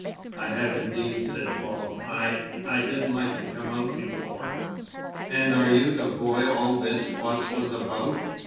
"I have indeed," said Paul. "I I didn't like to come out before." "And are you the boy all this fuss was about?